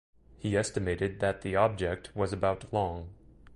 He estimated that the object was about long.